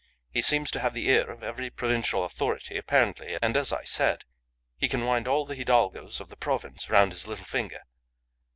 He seems to have the ear of every provincial authority apparently, and, as I said, he can wind all the hidalgos of the province round his little finger.